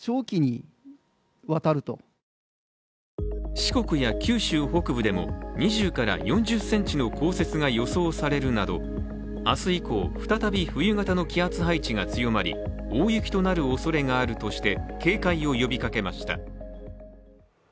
四国や九州北部でも２０４０ｃｍの降雪が予想されるなど明日以降、再び冬型の気圧配置が強まり大雪となるおそれがあるとして警戒を呼びかけました。